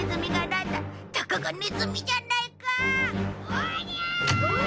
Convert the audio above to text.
おりゃー！